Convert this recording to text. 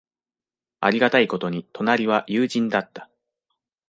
ありがたいことに、隣は友人だった。